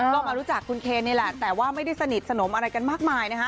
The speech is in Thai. ก็มารู้จักคุณเคนนี่แหละแต่ว่าไม่ได้สนิทสนมอะไรกันมากมายนะฮะ